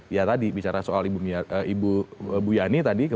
ya tadi bicara soal ibu bu yani tadi